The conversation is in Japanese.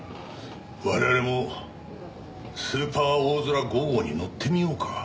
我々もスーパーおおぞら５号に乗ってみようか。